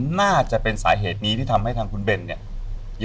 น่าจะเป็นสาเหตุนี้ที่ทำให้ทางคุณเบนเนี่ย